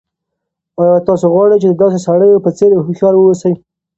آیا تاسو غواړئ چې د داسې سړیو په څېر هوښیار اوسئ؟